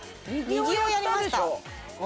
右をやりました。